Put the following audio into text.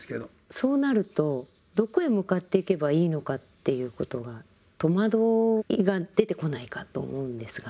そうなるとどこへ向かっていけばいいのかっていうことが戸惑いが出てこないかと思うんですが。